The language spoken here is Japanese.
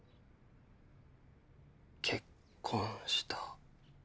結婚した。